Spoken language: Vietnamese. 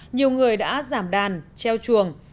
nhiều người đã giảm đàn treo chuồng